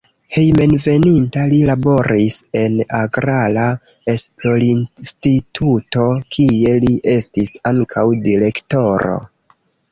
Hejmenveninta li laboris en agrara esplorinstituto, kie li estis ankaŭ direktoro.